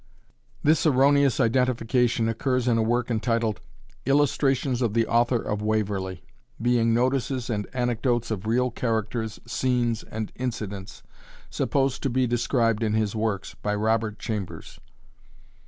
This erroneous identification occurs in a work entitled, "Illustrations of the Author of Waverley, being Notices and Anecdotes of real Characters, Scenes, and Incidents, supposed to be described in his works, by Robert Chambers."